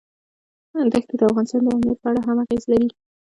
دښتې د افغانستان د امنیت په اړه هم اغېز لري.